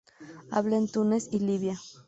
Habita en Túnez y Libia.